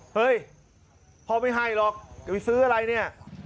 เฮ้ยพ่อไม่ให้หรอกจะไปซื้ออะไรเนี่ย